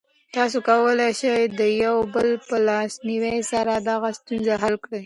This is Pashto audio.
تاسو کولی شئ د یو بل په لاسنیوي سره دغه ستونزه حل کړئ.